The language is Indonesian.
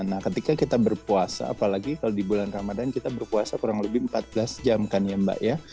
nah ketika kita berpuasa apalagi kalau di bulan ramadhan kita berpuasa kurang lebih empat belas jam kan ya mbak ya